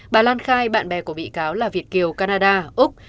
bà lan khai bạn bè của bị cáo là việt kiều canada úc